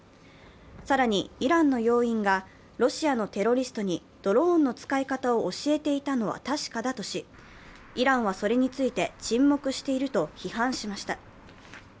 更に、イランの要員が、ロシアのテロリストにドローンの使い方を教えていたのは確かだとし、イランはそれについて沈黙していると批判しました。